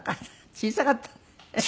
小さかった？